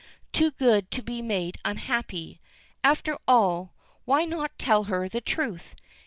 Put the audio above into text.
Too good to be made unhappy. After all, why not tell her the truth?